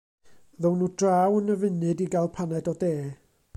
Ddown nhw draw yn y funud i gael paned o de.